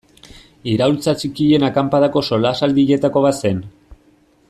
Iraultza Txikien Akanpadako solasaldietako bat zen.